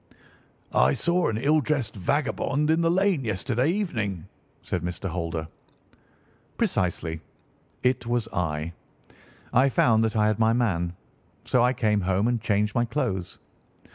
"I saw an ill dressed vagabond in the lane yesterday evening," said Mr. Holder. "Precisely. It was I. I found that I had my man, so I came home and changed my clothes.